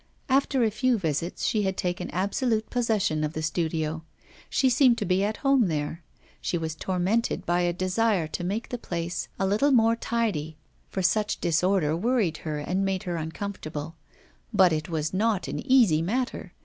After a few visits she had taken absolute possession of the studio. She seemed to be at home there. She was tormented by a desire to make the place a little more tidy, for such disorder worried her and made her uncomfortable. But it was not an easy matter.